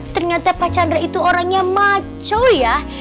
ternyata pak chandra itu orangnya maco ya